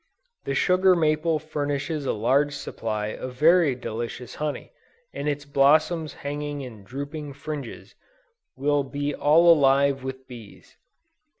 The Sugar Maple furnishes a large supply of very delicious honey, and its blossoms hanging in drooping fringes, will be all alive with bees.